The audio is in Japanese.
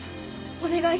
お願いします。